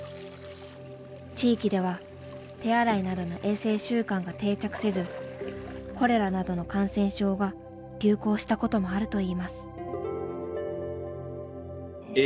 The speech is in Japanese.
地域では手洗いなどの衛生習慣が定着せずコレラなどの感染症が流行したこともあるといいます。